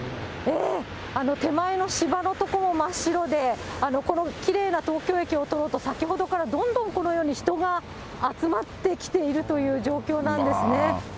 手前の芝の所、真っ白で、このきれいな東京駅を撮ろうと、先ほどからどんどんこのように人が集まってきているという状況なんですね。